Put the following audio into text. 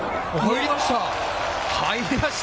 入りました。